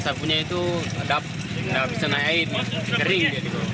airnya itu ada pisan air kering